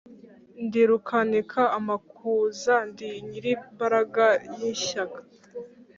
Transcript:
Ndi Rukanika amakuza, ndi Nyilimbaraga y’ishyaka,